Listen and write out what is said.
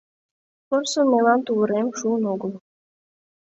Порсын мелан тувырем шуын огыл.